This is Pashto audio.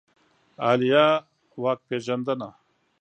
عالیه واک پېژندنه